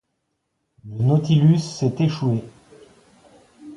Le Nautilus s’est échoué ?